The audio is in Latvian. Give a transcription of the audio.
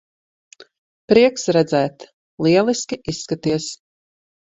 Prieks redzēt. Lieliski izskaties.